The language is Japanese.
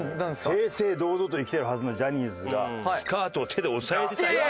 正々堂々と生きてるはずのジャニーズがスカートを手で押さえてたような。